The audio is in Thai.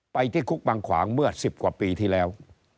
ไปที่คุกบางขวางเมื่อ๑๐กว่าปีที่แล้ว